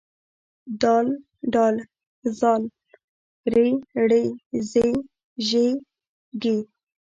د ډ ذ ر ړ ز ژ ږ